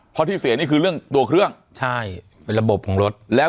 เพราะที่เสียนี่คือเรื่องตัวเครื่องใช่เป็นระบบของรถแล้ว